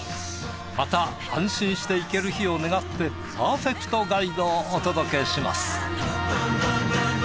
また安心して行ける日を願ってパーフェクトガイドをお届けします。